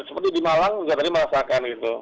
seperti di malang di jatadi merasakan gitu